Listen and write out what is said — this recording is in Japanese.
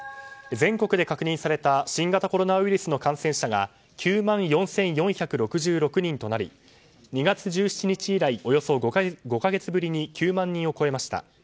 全国で確認された新型コロナの感染者が９万４４６６人となり２月１７日以来およそ５か月ぶりに９万人を超えました。